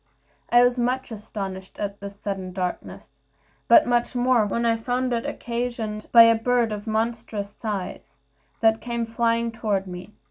I was much astonished at this sudden darkness, but much more when I found it occasioned by a bird of a monstrous size, that came flying toward me.